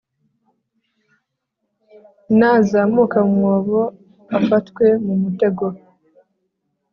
nazamuka mu mwobo, afatwe mu mutego.